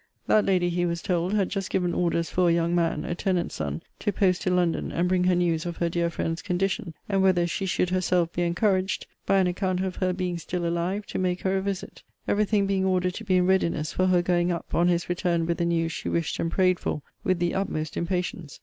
That lady, he was told, had just given orders for a young man, a tenant's son, to post to London, and bring her news of her dear friend's condition, and whether she should herself be encouraged, by an account of her being still alive, to make her a visit; every thing being ordered to be in readiness for her going up on his return with the news she wished and prayed for with the utmost impatience.